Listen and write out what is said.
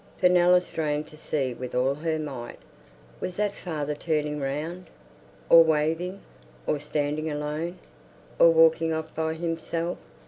Fenella strained to see with all her might. "Was that father turning round?"—or waving?—or standing alone?—or walking off by himself?